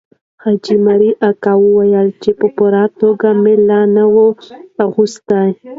حاجي مریم اکا وویل چې پرتوګ مې لا نه وو اغوستی.